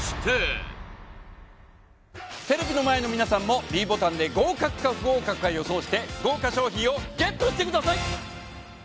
テレビの前の皆さんもｄボタンで合格か不合格か予想して豪華賞品をＧＥＴしてください！